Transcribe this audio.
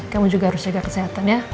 kamu juga harus jaga kesehatan ya